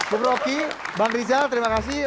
bu rocky bang rizal terima kasih